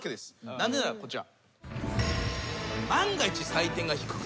なぜならこちら。